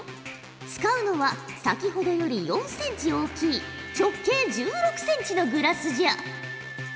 使うのは先ほどより４センチ大きい直径１６センチのグラスじゃ。